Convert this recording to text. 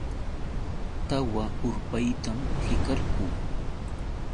Tawa urpaytam rikarquu.